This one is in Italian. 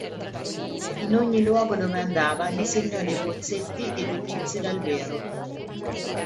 In ogni luogo dove andava disegnò dei bozzetti e dipinse dal vero.